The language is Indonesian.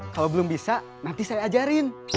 kalau belum bisa nanti saya ajarin